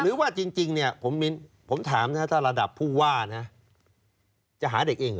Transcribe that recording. หรือว่าจริงเนี่ยผมถามนะถ้าระดับผู้ว่านะจะหาเด็กเอง